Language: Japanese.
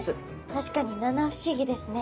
確かに七不思議ですね。